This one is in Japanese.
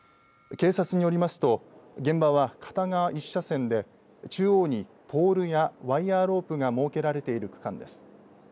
警察によりますと現場は片側１車線で中央にポールやワイヤーロープが設けられている区間です。